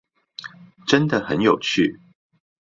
真的很有趣